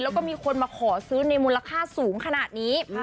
แล้วก็มีคนมาขอซื้อในมูลค่าสูงขนาดนี้